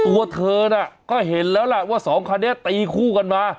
ตัวเธอน่ะก็เห็นแล้วล่ะว่าสองคันนี้ตีคู่กันมา